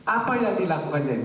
apa yang dilakukan jadi